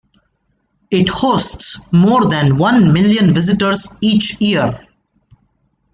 It hosts more than one million visitors each year.